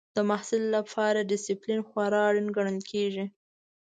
د محصل لپاره ډسپلین خورا اړین ګڼل کېږي.